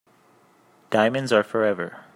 Diamonds are forever.